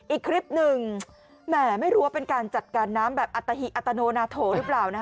อีกคลิปหนึ่งแหมไม่รู้ว่าเป็นการจัดการน้ำแบบอัตหิอัตโนนาโถหรือเปล่านะฮะ